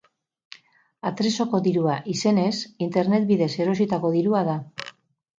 Atrezzoko dirua izenez internet bidez erositako dirua da.